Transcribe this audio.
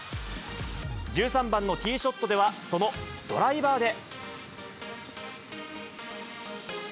１３番のティーショットでは、そのドライバーで。